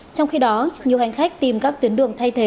trong khi đó nhiều hành khách tìm các tuyến đường